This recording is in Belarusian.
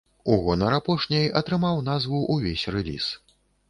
У гонар апошняй атрымаў назву увесь рэліз.